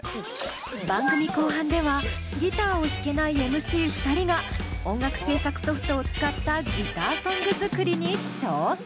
番組後半ではギターを弾けないＭＣ２人が音楽制作ソフトを使ったギターソング作りに挑戦！